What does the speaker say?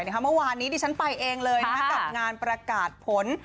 เมื่อวานนี้ดิฉันไปเองเลยกับงานประกาศผล